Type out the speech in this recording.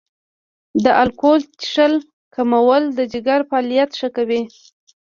د الکول څښل کمول د جګر فعالیت ښه کوي.